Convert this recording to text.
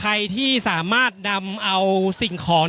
อย่างที่บอกไปว่าเรายังยึดในเรื่องของข้อ